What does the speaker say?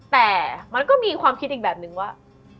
แต่มันก็มีความคิดอีกแบบนึงว่า